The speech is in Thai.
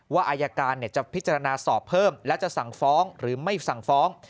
อายการจะพิจารณาสอบเพิ่มและจะสั่งฟ้องหรือไม่สั่งฟ้อง